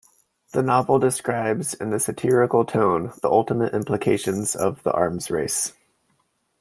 The novel describes, in a satirical tone, the ultimate implications of the arms race.